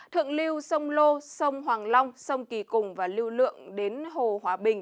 thượng lưu sông lô sông hoàng long sông kỳ cùng và lưu lượng đến hồ hòa bình